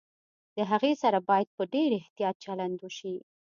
د هغې سره باید په ډېر احتياط چلند وشي